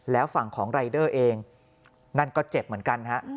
แล้วฝั่งของรายเดอร์เองนั่นก็เจ็บเหมือนกันฮะ